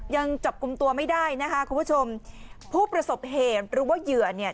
ยังจับกลุ่มตัวไม่ได้นะคะคุณผู้ชมผู้ประสบเหตุหรือว่าเหยื่อเนี่ย